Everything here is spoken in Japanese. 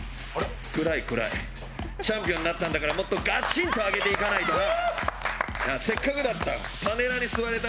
暗い暗い、チャンピオンになったんだからもっとガチンと上げていかないとせっかくだったら、パネラーに座れる？